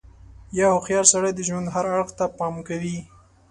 • یو هوښیار سړی د ژوند هر اړخ ته پام کوي.